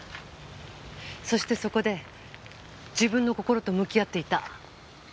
そしてそこで自分の心と向き合っていた。